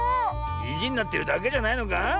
いじになってるだけじゃないのか？